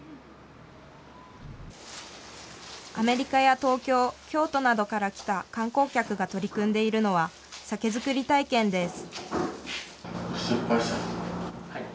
アメリカや東京、京都などから来た観光客が取り組んでいるのは酒造り体験です。